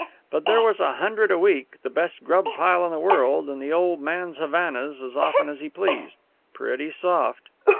But there was a hundred a week, the best grub pile in the world, and the old man's Havanas as often as he pleased. Pretty soft!